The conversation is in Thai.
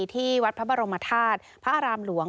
ที่วัดพระบรมธาตุพระอารามหลวง